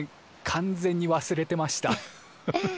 完全に忘れてましたフフフ。